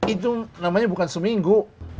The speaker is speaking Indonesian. itu namanya bukan seminggu